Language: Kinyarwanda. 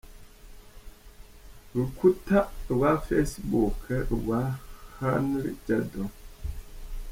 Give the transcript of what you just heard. rukuta rwa Facebook rwa Herni Jado.